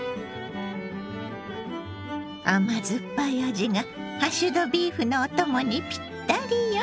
甘酸っぱい味がハッシュドビーフのお供にぴったりよ。